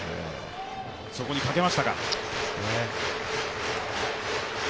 そこにかけましたか。